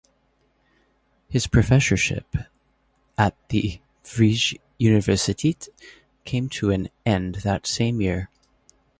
His professorship at the Vrije Universiteit came to an end that same year.